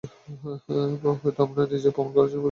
হয়তো আমরা নিজেদের প্রমাণ করার জন্য প্রস্তুত না।